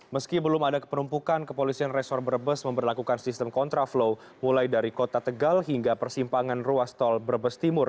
meski belum ada kepenumpukan kepolisian resor brebes memperlakukan sistem kontraflow mulai dari kota tegal hingga persimpangan ruas tol brebes timur